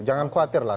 jangan khawatir lah